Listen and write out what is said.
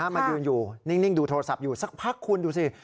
มายืนอยู่นิ่งดูโทรศัพท์อยู่สักพักคุณดูสิ